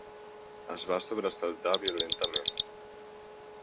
Es va sobresaltar violentament.